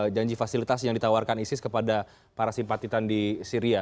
janji fasilitas yang ditawarkan isis kepada para simpatitan di syria